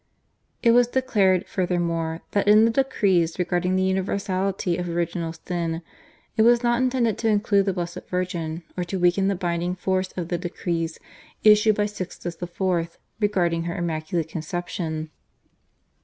It was declared, furthermore, that in the decrees regarding the universality of Original Sin it was not intended to include the Blessed Virgin or to weaken the binding force of the decrees issued by Sixtus IV. regarding her Immaculate Conception.